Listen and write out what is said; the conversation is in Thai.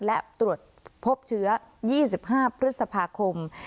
และตรวจพบเชื้อ๒๕พฤษภาคม